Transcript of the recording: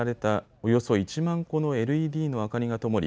およそ１万個のＬＥＤの明かりがともり